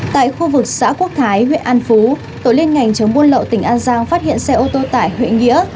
tại khu vực xã quốc thái huyện an phú tổ liên ngành chống buôn lậu tỉnh an giang phát hiện xe ô tô tải huệ nghĩa